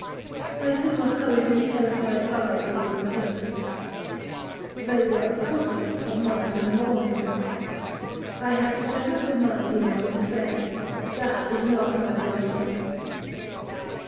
I threw a hurried and terrified eye over the papers,—they were a copy of my memorial. I had presence of mind enough to say, 'That is not my writing.'